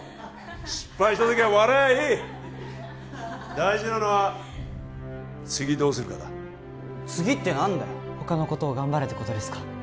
失敗した時は笑えばいい大事なのは次どうするかだ次って何だよほかのことを頑張れってことですか？